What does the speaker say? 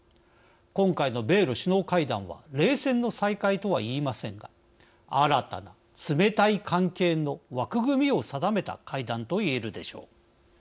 今回の米ロ首脳会談は冷戦の再開とは言いませんが新たな冷たい関係の枠組みを定めた会談といえるでしょう。